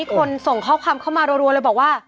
คนส่งข้อความเข้ามารัวเลยบอกว่า